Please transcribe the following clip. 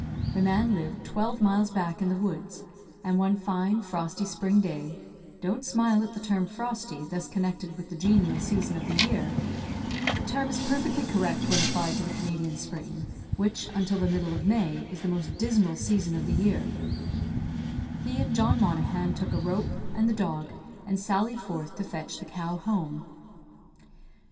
The man lived twelve miles back in the woods; and one fine, frosty spring day (don't smile at the term frosty, thus connected with the genial season of the year; the term is perfectly correct when applied to the Canadian spring, which, until the middle of May, is the most dismal season of the year) he and John Monaghan took a rope, and the dog, and sallied forth to fetch the cow home.